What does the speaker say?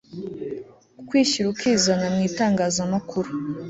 ukwishyira ukizana mw'itangazamakuru